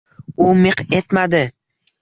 U miq etmadi.